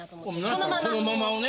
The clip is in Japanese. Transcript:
そのままをね。